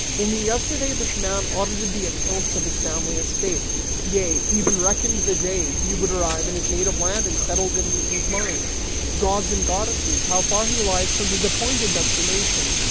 Only yesterday this man audited the accounts of his family estate, yea, even reckoned the day he would arrive in his native land and settled it in his mind! Gods and goddesses, how far he lies from his appointed destination!